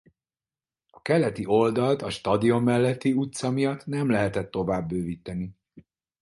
A keleti oldalt a stadion melletti utca miatt nem lehetett tovább bővíteni.